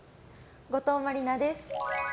五島真里奈です。